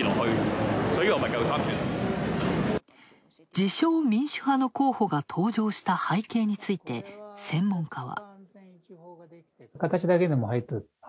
自称・民主派の候補が登場した背景について、専門家は。